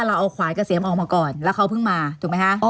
เราเอาขวายเกษียมออกมาก่อนแล้วเขาเพิ่งมาถูกไหมคะ